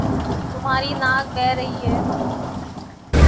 تمہاری ناک بہ رہی ہے